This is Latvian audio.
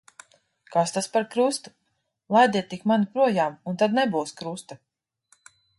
Kas ta par krustu. Laidiet tik mani projām, un tad nebūs krusta.